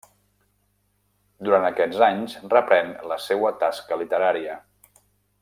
Durant aquests anys reprèn la seua tasca literària.